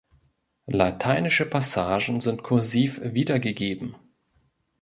Lateinische Passagen sind "kursiv" wiedergegeben.